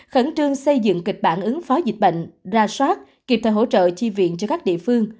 khẩn trương xây dựng kịch bản ứng phó dịch bệnh ra soát kịp thời hỗ trợ chi viện cho các địa phương